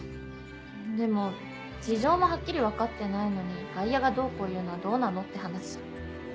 でも事情もハッキリ分かってないのに外野がどうこう言うのはどうなのって話。